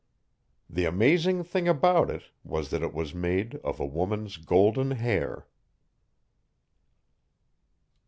The amazing thing about it was that it was made of a woman's golden hair.